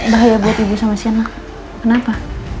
bahaya buat ibu sama si anak kenapa